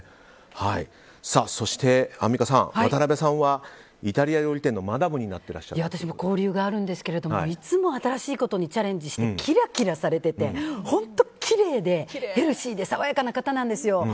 そして、アンミカさん渡辺さんはイタリア料理店の私も交流があるんですがいつも新しいことにチャレンジしてキラキラしてて本当きれいで、ヘルシーで爽やかな方なんですよ。